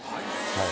はい。